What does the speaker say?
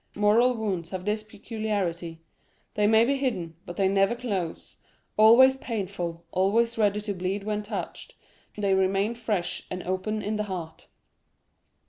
Moral wounds have this peculiarity,—they may be hidden, but they never close; always painful, always ready to bleed when touched, they remain fresh and open in the heart.